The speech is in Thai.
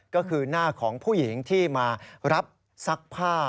ก็คือหน้าของผู้หญิงที่มารับซักผ้า